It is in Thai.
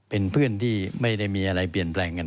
เป็นเพื่อนที่ไม่ได้มีอะไรเปลี่ยนแปลงกัน